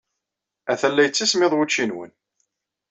Atan la yettismiḍ wučči-nwen.